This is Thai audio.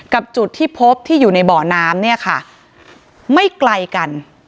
จุดที่พบที่อยู่ในบ่อน้ำเนี่ยค่ะไม่ไกลกัน